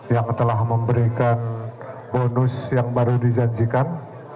yang telah memberikan bonus yang baru dijanjikan